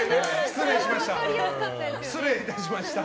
失礼いたしました。